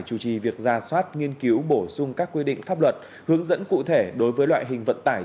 chủ trì việc ra soát nghiên cứu bổ sung các quy định pháp luật hướng dẫn cụ thể đối với loại hình vận tải